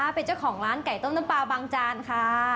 เป็นเจ้าของร้านไก่ต้มน้ำปลาบางจานค่ะ